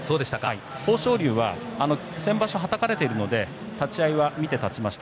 豊昇龍は先場所はたかれているので立ち合いは見て立ちました。